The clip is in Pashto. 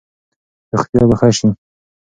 روغتیا به ښه شي.